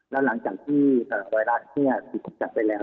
แล้วหลังจากที่ไวรัสถูกจัดไปแล้ว